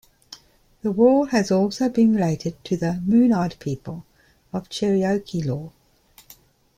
The wall has also been related to the "moon-eyed people" of Cherokee lore.